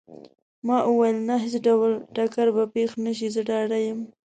ما وویل: نه، هیڅ ډول ټکر به پېښ نه شي، زه ډاډه یم.